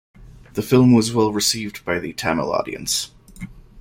The film was well received by the Tamil audience.